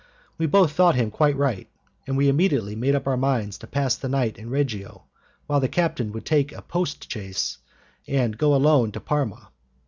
We both thought him quite right, and we immediately made up our minds to pass the night in Reggio, while the captain would take a post chaise and go alone to Parma.